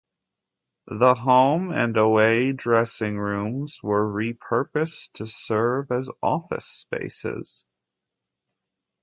The home and away dressing rooms were repurposed to serve as office spaces.